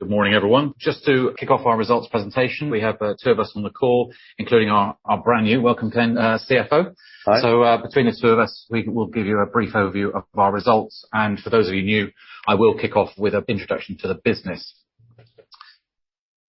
Good morning, everyone. Just to kick off our results presentation, we have two of us on the call, including our brand new welcome, Ken, CFO. Hi. Between the two of us, we will give you a brief overview of our results. For those of you new, I will kick off with an introduction to the business.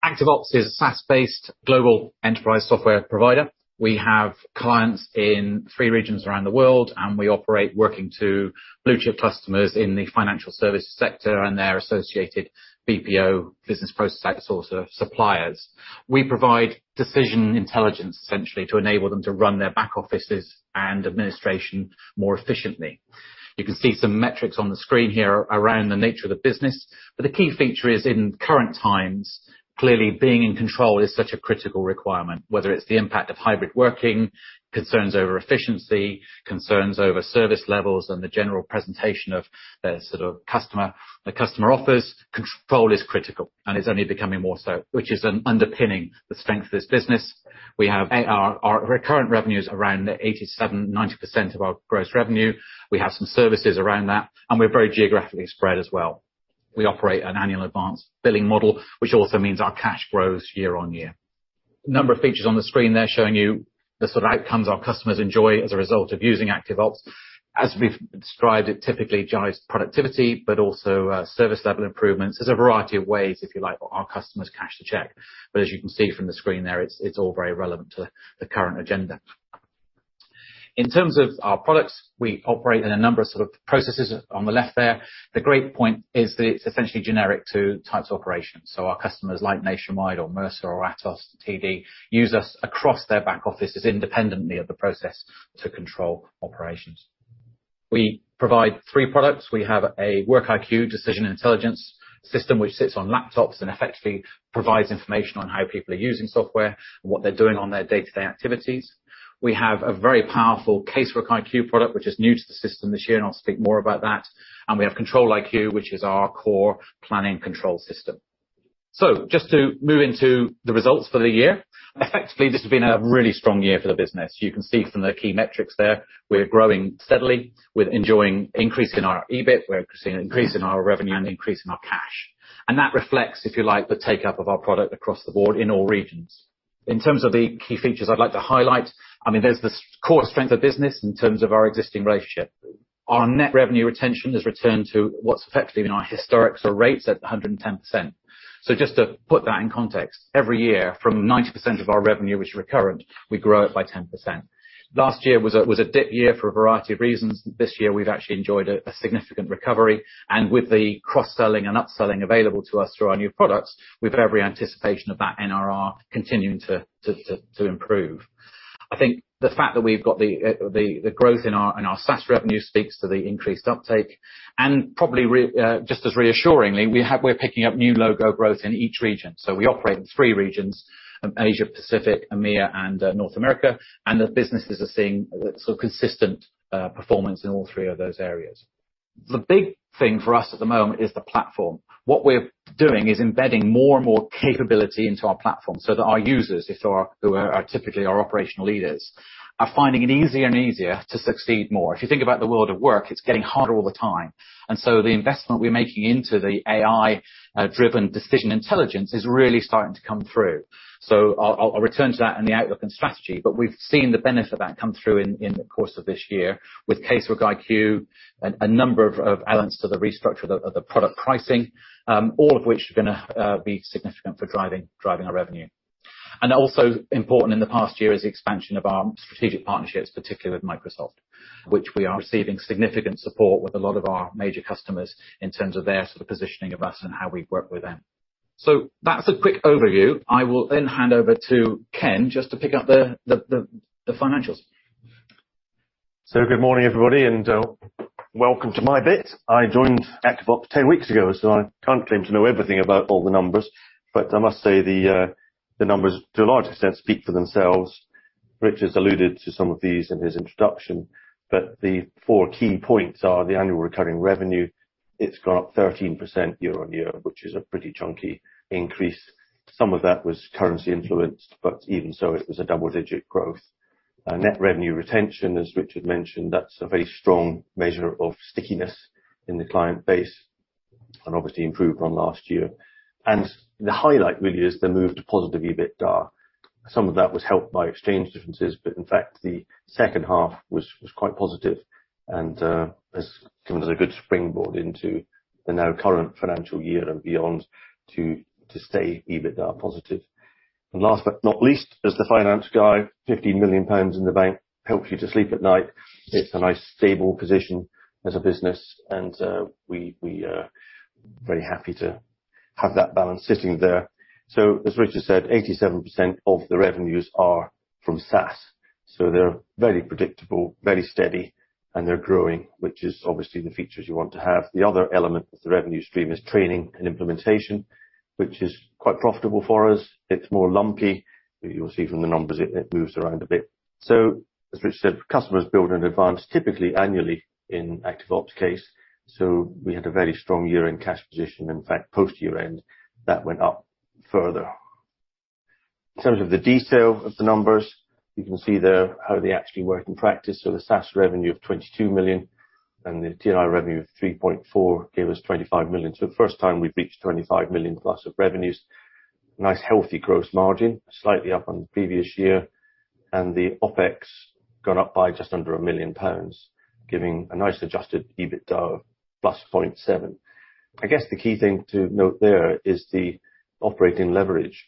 ActiveOps is a SaaS-based global enterprise software provider. We have clients in three regions around the world, and we operate working to blue chip customers in the financial service sector and their associated BPO Business Process Outsourcer suppliers. We provide decision intelligence, essentially, to enable them to run their back offices and administration more efficiently. You can see some metrics on the screen here around the nature of the business, but the key feature is in current times, clearly, being in control is such a critical requirement. Whether it's the impact of hybrid working, concerns over efficiency, concerns over service levels, the general presentation of the sort of customer offers, control is critical, it's only becoming more so, which is an underpinning the strength of this business. We have our recurrent revenue is around 87%-90% of our gross revenue. We have some services around that, and we're very geographically spread as well. We operate an annual advanced billing model, which also means our cash grows year-on-year. Number of features on the screen there, showing you the sort of outcomes our customers enjoy as a result of using ActiveOps. As we've described, it typically drives productivity, but also service level improvements. There's a variety of ways, if you like, for our customers to cash the check. As you can see from the screen there, it's all very relevant to the current agenda. In terms of our products, we operate in a number of sort of processes. On the left there, the great point is that it's essentially generic to types of operations, so our customers, like Nationwide or Mercer or Atos, TD, use us across their back offices independently of the process to control operations. We provide three products. We have WorkiQ decision intelligence system, which sits on laptops and effectively provides information on how people are using software and what they're doing on their day-to-day activities. We have a very CaseWorkiQ product, which is new to the system this year, and I'll speak more about that. We have ControliQ, which is our core planning control system. Just to move into the results for the year, effectively, this has been a really strong year for the business. You can see from the key metrics there, we're growing steadily. We're enjoying increase in our EBIT. We're seeing an increase in our revenue and increase in our cash. That reflects, if you like, the take-up of our product across the board, in all regions. In terms of the key features I'd like to highlight, I mean, there's this core strength of business in terms of our existing relationship. Our net revenue retention has returned to what's effectively in our historic sort of rates at 110%. Just to put that in context, every year, from 90% of our revenue, which is recurrent, we grow it by 10%. Last year was a dip year for a variety of reasons. This year, we've actually enjoyed a significant recovery. With the cross-selling and upselling available to us through our new products, we've every anticipation of that NRR continuing to improve. I think the fact that we've got the growth in our SaaS revenue speaks to the increased uptake. Just as reassuringly, we're picking up new logo growth in each region. We operate in three regions, Asia, Pacific, EMEA, and North America, and the businesses are seeing sort of consistent performance in all three of those areas. The big thing for us at the moment is the platform. What we're doing is embedding more and more capability into our platform so that our users, Who are typically our operational leaders, are finding it easier and easier to succeed more. If you think about the world of work, it's getting harder all the time, and so the investment we're making into the AI driven decision intelligence is really starting to come through. I'll return to that in the outlook and strategy, but we've seen the benefit of that come through in the course of this year CaseWorkiQ, a number of elements to the restructure of the product pricing, all of which are going to be significant for driving our revenue. Also important in the past year is the expansion of our strategic partnerships, particularly with Microsoft, which we are receiving significant support with a lot of our major customers in terms of their sort of positioning of us and how we work with them. That's a quick overview. I will then hand over to Ken just to pick up the financials. Good morning, everybody, and welcome to my bit. I joined ActiveOps 10 weeks ago, so I can't claim to know everything about all the numbers, but I must say, the numbers, to a large extent, speak for themselves. Richard's alluded to some of these in his introduction, but the four key points are the annual recurring revenue. It's gone up 13% year-on-year, which is a pretty chunky increase. Some of that was currency influenced, but even so, it was a double-digit growth. Net revenue retention, as Richard mentioned, that's a very strong measure of stickiness in the client base, and obviously improved on last year. The highlight really is the move to positive EBITDA. Some of that was helped by exchange differences. In fact, the second half was quite positive and has given us a good springboard into the now current financial year and beyond to stay EBITDA positive. Last but not least, as the finance guy, 50 million pounds in the bank helps you to sleep at night. It's a nice, stable position as a business, and we are very happy to have that balance sitting there. As Richard said, 87% of the revenues are from SaaS, so they're very predictable, very steady, and they're growing, which is obviously the features you want to have. The other element of the revenue stream is training and implementation, which is quite profitable for us. It's more lumpy. You'll see from the numbers, it moves around a bit. As Richard said, customers build in advance, typically annually, in ActiveOps case, we had a very strong year-end cash position. In fact, post-year end, that went up further. In terms of the detail of the numbers, you can see there how they actually work in practice. The SaaS revenue of 22 million and the TI revenue of 3.4 gave us 25 million. The first time we've reached 25 million plus of revenues. Nice, healthy gross margin, slightly up on the previous year, and the OPEX gone up by just under 1 million pounds, giving a nice adjusted EBITDA of +0.7. I guess the key thing to note there is the operating leverage.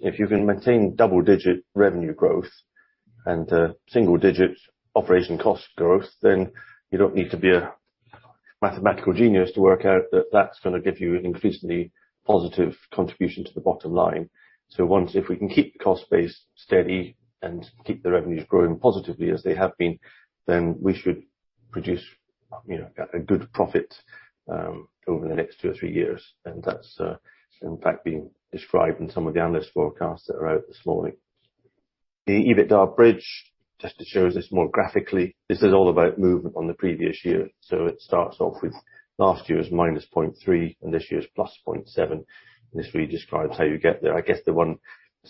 If you can maintain double-digit revenue growth and single-digit operation cost growth, you don't need to be a mathematical genius to work out that that's going to give you an increasingly positive contribution to the bottom line. If we can keep the cost base steady and keep the revenues growing positively as they have been, we should produce, you know, a good profit over the next two or three years. That's, in fact, being described in some of the analyst forecasts that are out this morning. The EBITDA bridge, just to show us this more graphically, this is all about movement on the previous year. It starts off with last year's -0.3, this year's +0.7, and this really describes how you get there. I guess the one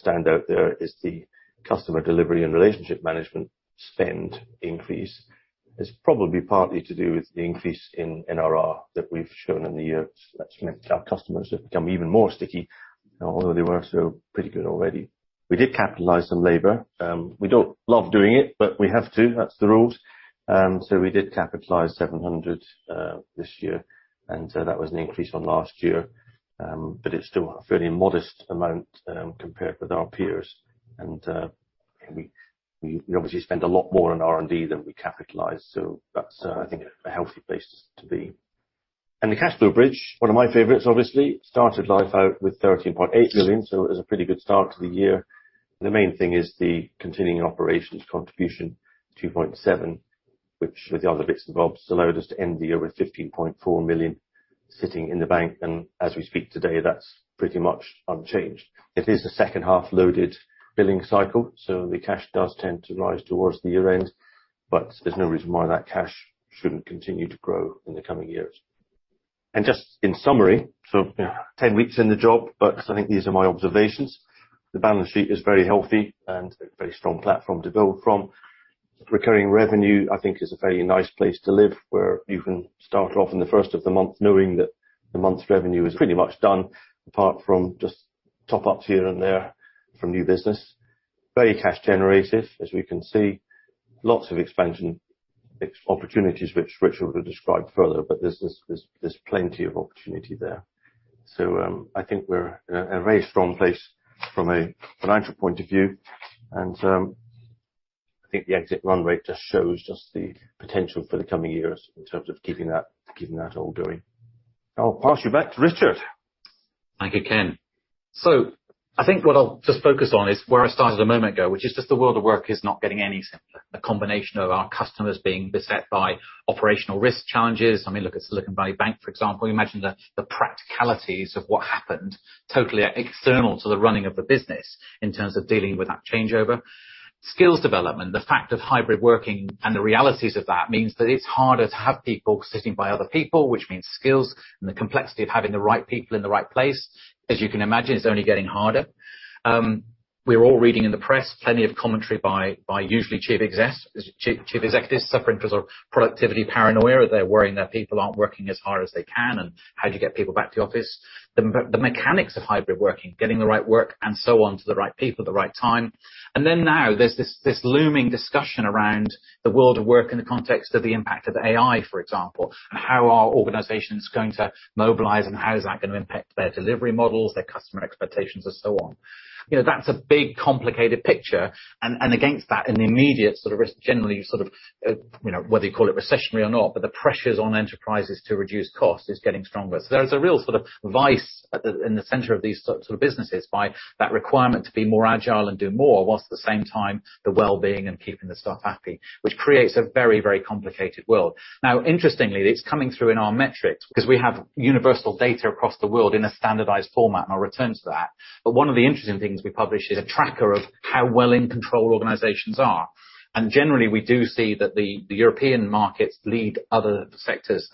standout there is the customer delivery and relationship management spend increase. It's probably partly to do with the increase in NRR that we've shown in the year. That's meant our customers have become even more sticky, although they were still pretty good already. We did capitalize some labor. We don't love doing it, but we have to. That's the rules. We did capitalize 700 this year, that was an increase from last year, but it's still a fairly modest amount compared with our peers. We obviously spend a lot more on R&D than we capitalize, that's, I think, a healthy place to be. The cash flow bridge, one of my favorites, obviously, started life out with 13.8 million, it was a pretty good start to the year. The main thing is the continuing operations contribution, 2.7, which, with the other bits and bobs, allowed us to end the year with 15.4 million sitting in the bank. As we speak today, that's pretty much unchanged. It is a second-half loaded billing cycle. The cash does tend to rise towards the year end. There's no reason why that cash shouldn't continue to grow in the coming years. Just in summary, 10 weeks in the job. I think these are my observations. The balance sheet is very healthy and a very strong platform to build from. Recurring revenue, I think, is a very nice place to live, where you can start off in the 1st of the month knowing that the month's revenue is pretty much done, apart from just top ups here and there from new business. Very cash generative, as we can see. Lots of expansion opportunities, which Richard will describe further, but there's plenty of opportunity there. I think we're in a very strong place from a financial point of view, I think the exit runway just shows just the potential for the coming years in terms of keeping that all going. I'll pass you back to Richard. Thank you, Ken. I think what I'll just focus on is where I started a moment ago, which is just the world of work is not getting any simpler. A combination of our customers being beset by operational risk challenges. I mean, look at Silicon Valley Bank, for example. You imagine the practicalities of what happened, totally external to the running of the business in terms of dealing with that changeover. Skills development, the fact of hybrid working and the realities of that means that it's harder to have people sitting by other people, which means skills and the complexity of having the right people in the right place. As you can imagine, it's only getting harder. We're all reading in the press plenty of commentary by usually chief executives suffering because of productivity paranoia. They're worrying that people aren't working as hard as they can. How do you get people back to the office? The mechanics of hybrid working, getting the right work and so on to the right people at the right time. Now there's this looming discussion around the world of work in the context of the impact of AI, for example. How are organizations going to mobilize, how is that going to impact their delivery models, their customer expectations and so on. You know, that's a big, complicated picture. Against that, an immediate sort of risk, generally, sort of, you know, whether you call it recessionary or not, the pressures on enterprises to reduce cost is getting stronger. There is a real sort of vice in the center of these sort of businesses by that requirement to be more agile and do more, whilst at the same time, the wellbeing and keeping the staff happy, which creates a very, very complicated world. Interestingly, it's coming through in our metrics because we have universal data across the world in a standardized format, and I'll return to that. One of the interesting things we publish is a tracker of how well in control organizations are, and generally, we do see that the European markets lead other sectors.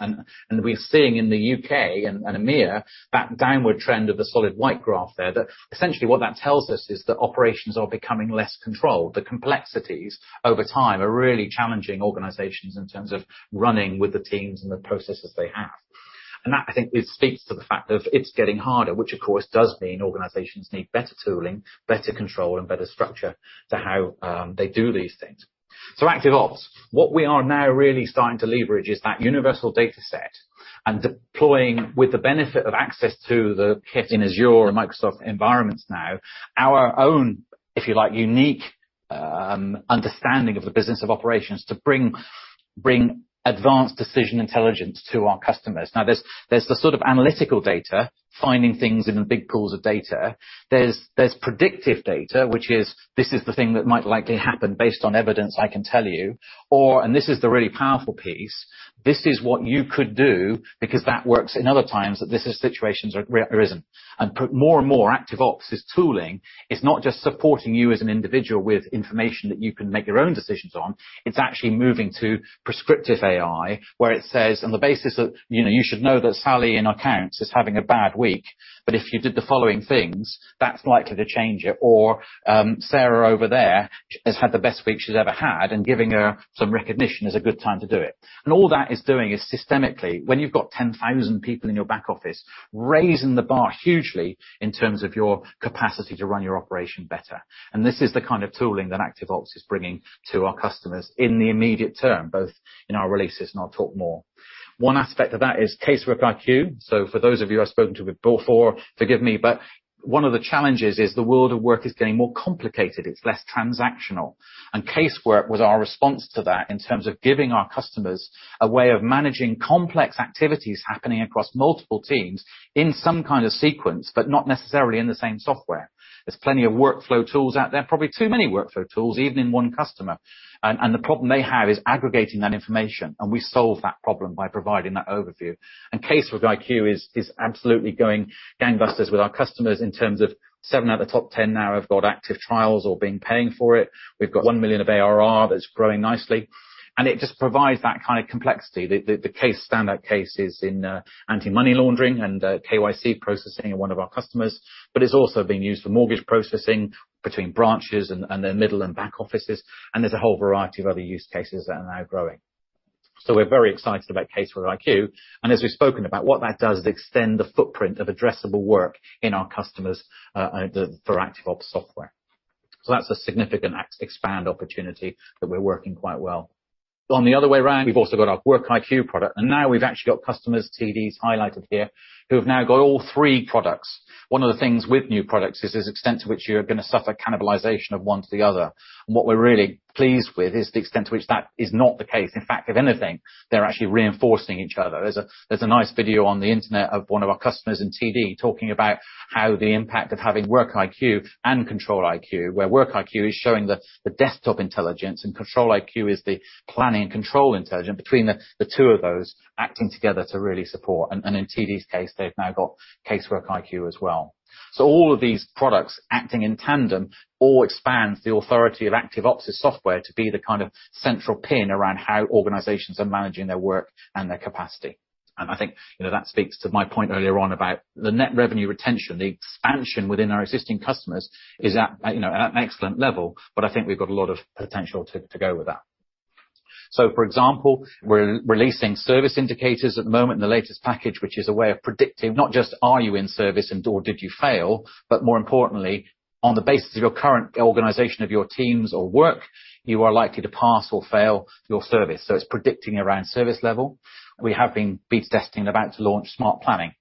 We're seeing in the UK and EMEA, that downward trend of the solid white graph there, that essentially what that tells us is that operations are becoming less controlled. The complexities over time are really challenging organizations in terms of running with the teams and the processes they have. That, I think, speaks to the fact of it's getting harder, which of course, does mean organizations need better tooling, better control, and better structure to how they do these things. ActiveOps, what we are now really starting to leverage is that universal data set and deploying with the benefit of access to the kit in Azure and Microsoft environments now, our own, if you like, unique understanding of the business of operations to bring advanced decision intelligence to our customers. There's the sort of analytical data, finding things in the big pools of data. There's predictive data, which is, "This is the thing that might likely happen, based on evidence I can tell you," or and this is the really powerful piece, "This is what you could do, because that works in other times, that this is situations where there isn't." Put more and more ActiveOps as tooling, it's not just supporting you as an individual with information that you can make your own decisions on, it's actually moving to Prescriptive AI, where it says, "On the basis of. You know, you should know that Sally in accounts is having a bad week." If you did the following things, that's likely to change it, or Sarah over there has had the best week she's ever had, and giving her some recognition is a good time to do it. All that is doing is systemically, when you've got 10,000 people in your back office, raising the bar hugely in terms of your capacity to run your operation better. This is the kind of tooling that ActiveOps is bringing to our customers in the immediate term, both in our releases, I'll talk more. One aspect of that CaseWorkiQ. for those of you I've spoken to before, forgive me, but one of the challenges is the world of work is getting more complicated, it's less transactional, and Casework was our response to that in terms of giving our customers a way of managing complex activities happening across multiple teams in some kind of sequence, but not necessarily in the same software. There's plenty of workflow tools out there, probably too many workflow tools, even in one customer, and the problem they have is aggregating that information, we solve that problem by providing that CaseWorkiQ is absolutely going gangbusters with our customers in terms of seven out of the top 10 now have got active trials or been paying for it. We've got 1 million of ARR that's growing nicely, and it just provides that kind of complexity. The standard cases in Anti-Money Laundering and KYC processing in one of our customers, but it's also being used for mortgage processing between branches and their middle and back offices, there's a whole variety of other use cases that are now growing. We're very excited CaseWorkiQ, and as we've spoken about, what that does is extend the footprint of addressable work in our customers for ActiveOps software. That's a significant expand opportunity that we're working quite well. On the other way around, we've also got WorkiQ product, and now we've actually got customers, TDs highlighted here, who have now got all three products. One of the things with new products is there's extent to which you're going to suffer cannibalization of one to the other. What we're really pleased with is the extent to which that is not the case. In fact, if anything, they're actually reinforcing each other. There's a nice video on the Internet of one of our customers in TD talking about how the impact of WorkiQ and ControliQ, WorkiQ is showing the desktop intelligence, and ControliQ is the planning and control intelligence between the two of those acting together to really support. And in TD's case, they've now CaseWorkiQ as well. So all of these products acting in tandem, all expands the authority of ActiveOps' software to be the kind of central pin around how organizations are managing their work and their capacity. And I think, you know, that speaks to my point earlier on about the net revenue retention. The expansion within our existing customers is at, you know, at an excellent level, but I think we've got a lot of potential to go with that. For example, we're releasing Service Indicators at the moment in the latest package, which is a way of predicting not just, are you in service and/or did you fail, but more importantly, on the basis of your current organization of your teams or work, you are likely to pass or fail your service. It's predicting around service level. We have been beta testing and about to launch Smart Planning.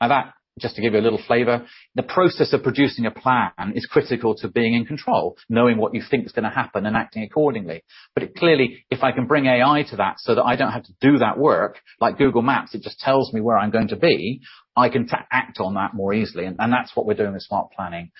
Now that, just to give you a little flavor, the process of producing a plan is critical to being in control, knowing what you think is going to happen, and acting accordingly. It clearly, if I can bring AI to that so that I don't have to do that work, like Google Maps, it just tells me where I'm going to be, I can act on that more easily, and that's what we're doing with Smart Planning.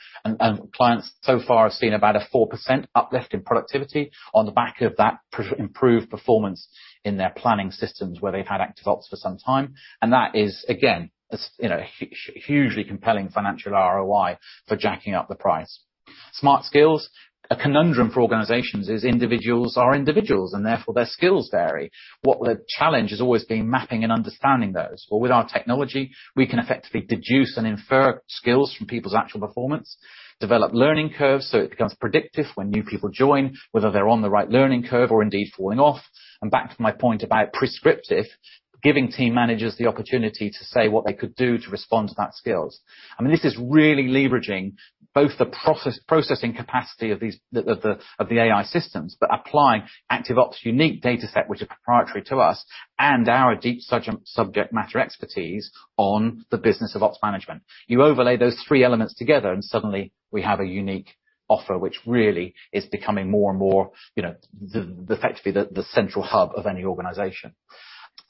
Clients so far have seen about a 4% uplift in productivity on the back of that improved performance in their planning systems, where they've had ActiveOps for some time. That is, again, hugely compelling financial ROI for jacking up the price. Smart Skills. A conundrum for organizations is individuals are individuals, and therefore their skills vary. What the challenge has always been, mapping and understanding those. Well, with our technology, we can effectively deduce and infer skills from people's actual performance, develop learning curves, so it becomes predictive when new people join, whether they're on the right learning curve or indeed falling off. Back to my point about prescriptive, giving team managers the opportunity to say what they could do to respond to that skills. I mean, this is really leveraging both the processing capacity of these, of the AI systems, but applying ActiveOps' unique data set, which is proprietary to us, and our deep subject matter expertise on the business of ops management. You overlay those three elements together, suddenly we have a unique offer, which really is becoming more and more, you know, effectively, the central hub of any organization.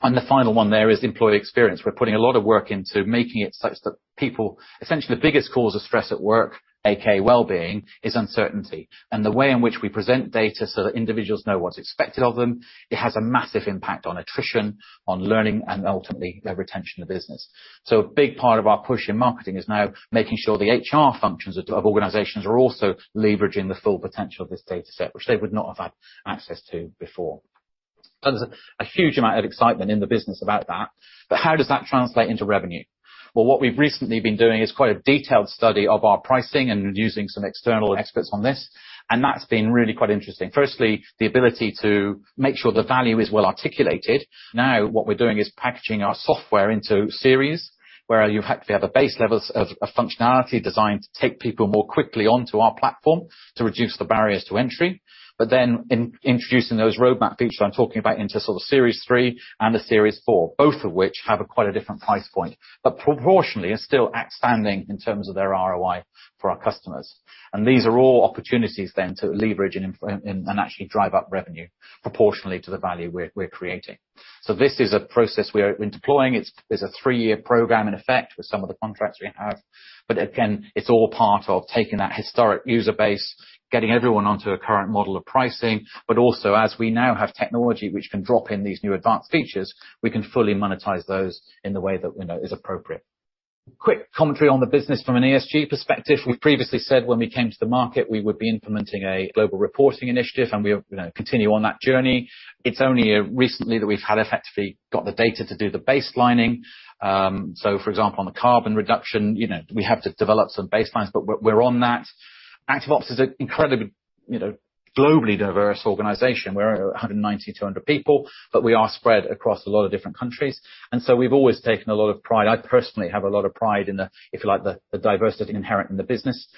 The final one there is employee experience. We're putting a lot of work into making it such that people. Essentially, the biggest cause of stress at work, AKA wellbeing, is uncertainty. The way in which we present data so that individuals know what's expected of them, it has a massive impact on attrition, on learning, and ultimately, the retention of business. A big part of our push in marketing is now making sure the HR functions of organizations are also leveraging the full potential of this data set, which they would not have had access to before. There's a huge amount of excitement in the business about that. How does that translate into revenue? What we've recently been doing is quite a detailed study of our pricing and using some external experts on this, and that's been really quite interesting. Firstly, the ability to make sure the value is well articulated. What we're doing is packaging our software into series, where you have to have a base levels of functionality designed to take people more quickly onto our platform to reduce the barriers to entry, in introducing those roadmap features I'm talking about into sort of series three and a series four, both of which have a quite a different price point, proportionally are still expanding in terms of their ROI for our customers. These are all opportunities then to leverage and actually drive up revenue proportionally to the value we're creating. This is a process we are deploying. It's a three-year program in effect with some of the contracts we have, but again, it's all part of taking that historic user base, getting everyone onto a current model of pricing, but also, as we now have technology which can drop in these new advanced features, we can fully monetize those in the way that we know is appropriate. Quick commentary on the business from an ESG perspective. We previously said when we came to the market, we would be implementing a Global Reporting Initiative, and we have, you know, continue on that journey. It's only recently that we've had effectively got the data to do the baselining. For example, on the carbon reduction, you know, we have to develop some baselines, but we're on that. ActiveOps is an incredibly, you know, globally diverse organization. We're 190-200 people. We are spread across a lot of different countries. We've always taken a lot of pride. I personally have a lot of pride in the diversity inherent in the business.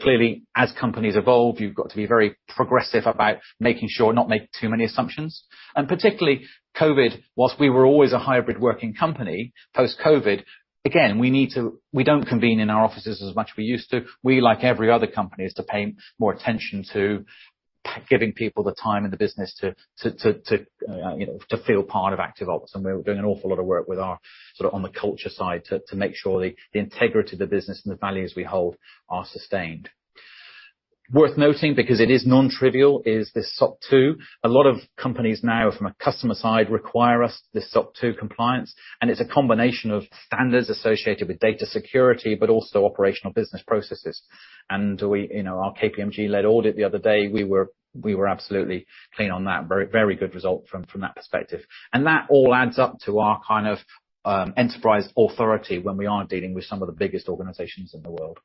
Clearly, as companies evolve, you've got to be very progressive about making sure not make too many assumptions, and particularly COVID. Whilst we were always a hybrid working company, post-COVID, again, we don't convene in our offices as much we used to. We, like every other company, has to pay more attention to giving people the time in the business to, you know, to feel part of ActiveOps. We're doing an awful lot of work with our sort of on the culture side, to make sure the integrity of the business and the values we hold are sustained. Worth noting, because it is non-trivial, is this SOC 2. A lot of companies now, from a customer side, require us this SOC 2 compliance, and it's a combination of standards associated with data security, but also operational business processes. We, you know, our KPMG-led audit the other day, we were absolutely clean on that. Very, very good result from that perspective. That all adds up to our kind of enterprise authority when we are dealing with some of the biggest organizations in the world.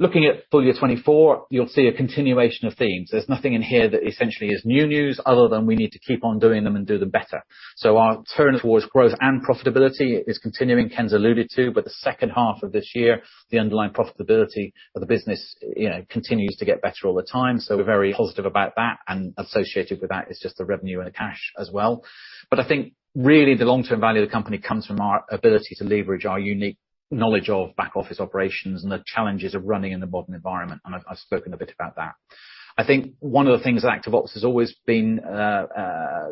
Looking at full year 2024, you'll see a continuation of themes. There's nothing in here that essentially is new news other than we need to keep on doing them and do them better. Our turn towards growth and profitability is continuing, Ken's alluded to, but the second half of this year, the underlying profitability of the business, you know, continues to get better all the time, so we're very positive about that, and associated with that is just the revenue and the cash as well. I think really the long-term value of the company comes from our ability to leverage our unique knowledge of back office operations and the challenges of running in the modern environment, and I've spoken a bit about that. I think one of the things that ActiveOps has always been,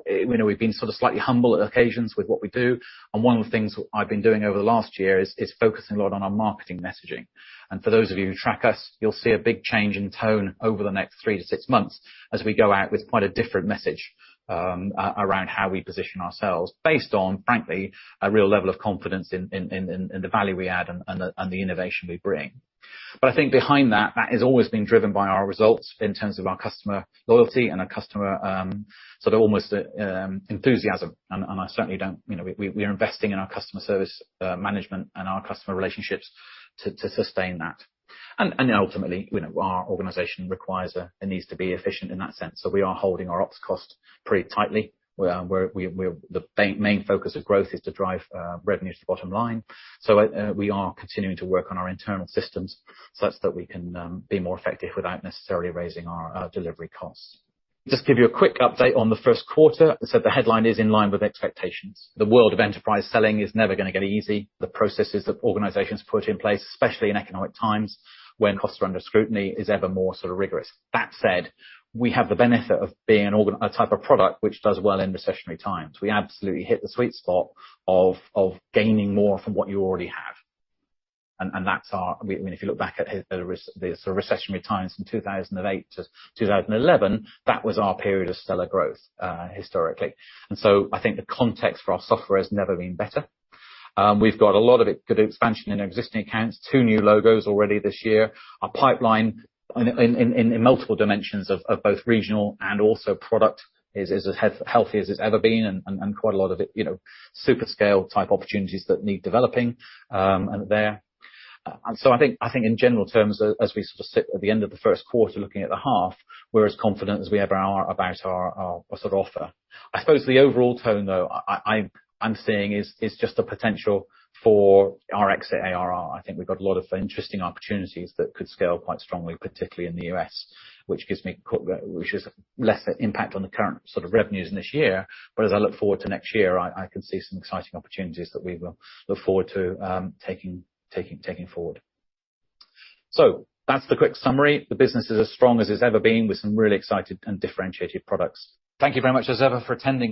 you know, we've been sort of slightly humble at occasions with what we do, and one of the things I've been doing over the last year is focusing a lot on our marketing messaging. For those of you who track us, you'll see a big change in tone over the next three to six months as we go out with quite a different message, around how we position ourselves, based on, frankly, a real level of confidence in the value we add and the innovation we bring. I think behind that has always been driven by our results in terms of our customer loyalty and our customer sort of almost enthusiasm, and I certainly don't. You know, we are investing in our customer service management and our customer relationships to sustain that. Ultimately, you know, our organization requires it needs to be efficient in that sense, so we are holding our ops cost pretty tightly. We. The main focus of growth is to drive revenue to the bottom line, so we are continuing to work on our internal systems such that we can be more effective without necessarily raising our delivery costs. Just give you a quick update on the Q1. The headline is in line with expectations. The world of enterprise selling is never going to get easy. The processes that organizations put in place, especially in economic times when costs are under scrutiny, is ever more sort of rigorous. That said, we have the benefit of being a type of product which does well in recessionary times. We absolutely hit the sweet spot of gaining more from what you already have, and that's our. I mean, if you look back at the sort of recessionary times in 2008 to 2011, that was our period of stellar growth historically. I think the context for our software has never been better. We've got a lot of it, good expansion in existing accounts, two new logos already this year. Our pipeline in multiple dimensions of both regional and also product, is as healthy as it's ever been, and quite a lot of it, you know, super scale type opportunities that need developing and there. I think, in general terms, as we sort of sit at the end of the Q1 looking at the half, we're as confident as we ever are about our sort of offer. I suppose the overall tone, though, I'm seeing, is just a potential for our exit ARR. I think we've got a lot of interesting opportunities that could scale quite strongly, particularly in the US, which is less impact on the current sort of revenues in this year. As I look forward to next year, I can see some exciting opportunities that we will look forward to taking forward. That's the quick summary. The business is as strong as it's ever been, with some really excited and differentiated products. Thank you very much, as ever, for attending.